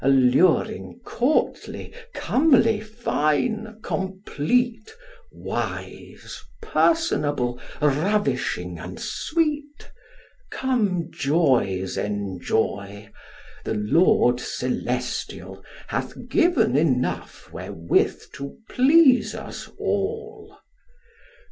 Alluring, courtly, comely, fine, complete, Wise, personable, ravishing, and sweet, Come joys enjoy. The Lord celestial Hath given enough wherewith to please us all.